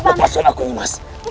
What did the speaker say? lepaskan aku imas